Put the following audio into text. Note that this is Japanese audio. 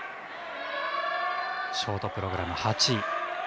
ショートプログラム８位。